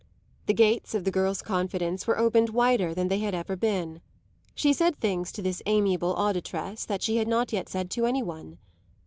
The gates of the girl's confidence were opened wider than they had ever been; she said things to this amiable auditress that she had not yet said to any one.